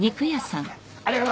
ありがとう。